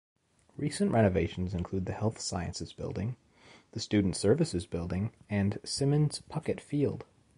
Recent renovations include the Health Sciences Building, The Student Services Building, and Symonds-Puckett field.